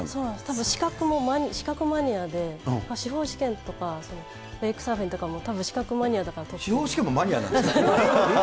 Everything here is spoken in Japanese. たぶん、資格も、資格マニアで、司法試験とか、ウェイクサーフィンとかも、たぶん、資格マニアだから取って司法試験もマニアなんですか？